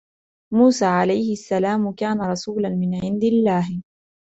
موسى عليه السلام كان رسولا من عند الله.